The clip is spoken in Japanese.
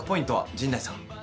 陣内さん